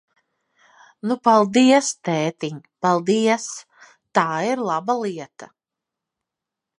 Nu, paldies, tētiņ, paldies! Tā ir laba lieta!